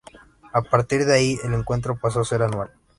A partir de ahí, el encuentro pasó a ser anual.